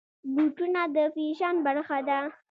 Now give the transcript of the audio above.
بوټونه د فیشن برخه ده.